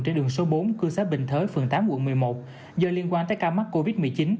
trên đường số bốn cư xá bình thới phường tám quận một mươi một do liên quan tới ca mắc covid một mươi chín